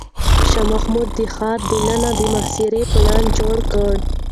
شاه محمود د ښار دننه د محاصرې پلان جوړ کړ.